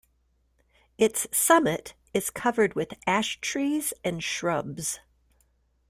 Its summit is covered with ash trees and shrubs.